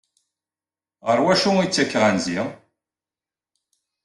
Ɣer wacu ay ttakeɣ anzi?